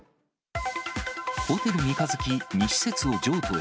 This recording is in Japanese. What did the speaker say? ホテル三日月、２施設を譲渡へ。